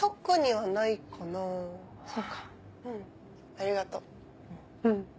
ありがとう。